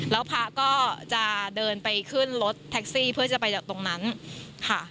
แล้วพระก็จะเดินไปขึ้นรถแท็กซี่เพื่อจะไปจากตรงนั้นค่ะ